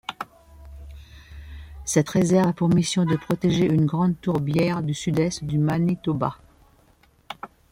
Cette réserve a pour mission de protéger une grande tourbière du sud-est du Manitoba.